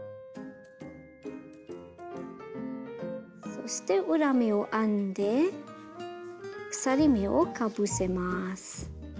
そして裏目を編んで鎖目をかぶせます。